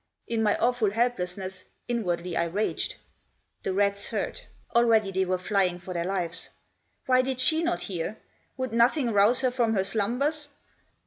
In my awful helplessness inwardly I raged. The rats heard ; already they were flying for their lives. Why did she not hear? Would nothing rouse her from her slumbers